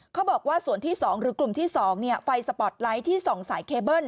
เขาบอกว่าส่วนที่๒หรือกลุ่มที่๒ไฟสปอร์ตไลท์ที่ส่องสายเคเบิ้ล